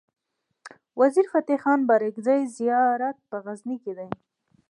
وزیر فتح خان بارګزی زيارت په غزنی کی دی